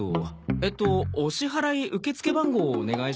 えっとお支払い受付番号をお願いします。